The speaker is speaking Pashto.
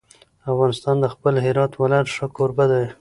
افغانستان د خپل هرات ولایت ښه کوربه دی.